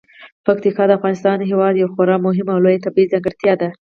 پکتیکا د افغانستان هیواد یوه خورا مهمه او لویه طبیعي ځانګړتیا ده.